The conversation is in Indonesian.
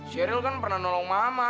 sheryl kan pernah nolong mama